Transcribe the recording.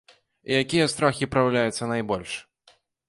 І якія страхі праяўляюцца найбольш?